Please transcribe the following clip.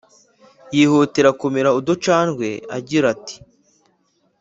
yihutira kumira uducandwe agira ati